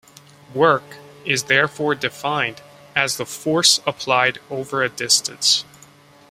Work is therefore defined as the force applied over a distance